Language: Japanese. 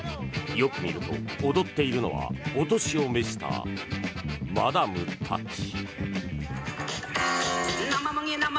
よく見ると、踊っているのはお年を召したマダムたち。